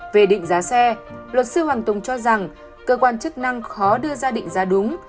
về định giá xe luật sư hoàng tùng cho rằng cơ quan chức năng khó đưa ra định giá đúng